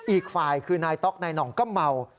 อีกฝ่ายคือนายต๊อกนายหน่องก็เมา